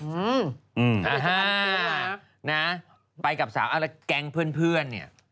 อืมถ้าเกิดเจอกันก็ได้แล้วนะนะไปกับสาวแล้วแก๊งเพื่อนเนี่ย